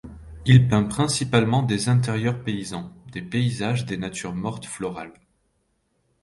Il peint principalement des intérieurs paysans, des paysages et des natures mortes florales.